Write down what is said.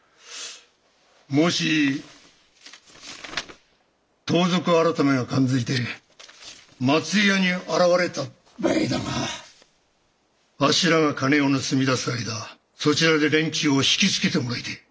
もし盗賊改が勘づいて松井屋に現れた場合だがあっしらが金を盗み出す間そちらで連中を引き付けてもらいてえ。